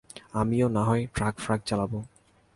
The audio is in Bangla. আমিও না হয় ট্রাক-ফ্রাক চালাবো।